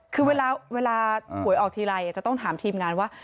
คือเวลาหวยออกทีไรจะต้องถามทีมงานว่า